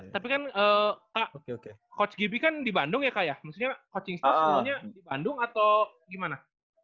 tapi kan coach gibi kan di bandung ya kak ya maksudnya coaching staff sebelumnya di bandung atau gimana